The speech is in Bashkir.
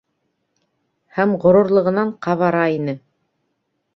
Һәм ғорурлығынан ҡабара ине.